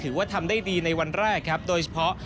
ถือว่าทำได้ดีในวันแรกครับโดยเฉพาะ